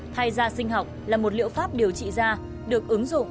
thay da sinh học là một liệu pháp điều trị da được ứng dụng